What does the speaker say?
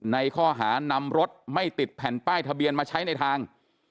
ในข้อหานำรถไม่ติดแผ่นป้ายทะเบียนมาใช้ในทาง